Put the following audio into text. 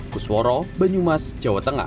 kusworo banyumas jawa tengah